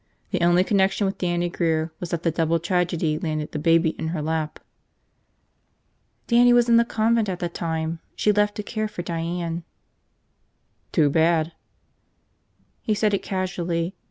The only connection with Dannie Grear was that the double tragedy landed the baby in her lap." "Dannie was in the convent at the time. She left to care for Diane." "Too bad." He said it casually.